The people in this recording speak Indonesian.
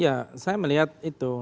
ya saya melihat itu